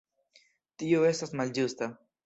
Tio estas malĝusta.